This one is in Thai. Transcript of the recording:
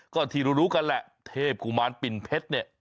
ก็ที่รู้กันแหละเทพกุมารปิ่นเพชรเนี่ย